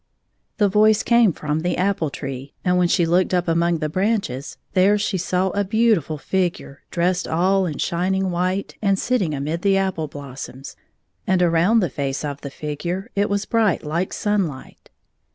" The voice came jfrom the apple tree, and when she looked up among the branches there she saw a beautiftil figure dressed all in shining white and sitting amid the apple blossoms, and around the face of the figure it was bright like sunlight.